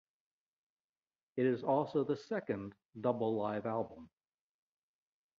It is also the second double live album.